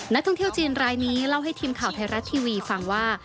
นักท่องเที่ยวจีนรายนี้เล่าให้ทีมข่าวไทยรัฐทีวีฟังว่า